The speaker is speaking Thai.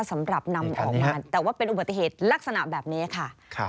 สำหรับนำออกมาแต่ว่าเป็นอุบัติเหตุลักษณะแบบนี้ค่ะ